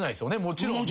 もちろん。